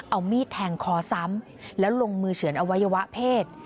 เอามีดแทงคอซ้ำแล้วลงมือเฉือนอวัยวะเพศ